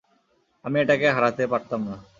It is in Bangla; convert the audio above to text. আমি এটাকে হারাতে পারতাম না।